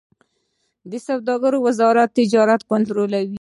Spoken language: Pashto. د سوداګرۍ وزارت تجارت کنټرولوي